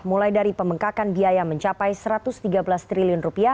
mulai dari pembengkakan biaya mencapai rp satu ratus tiga belas triliun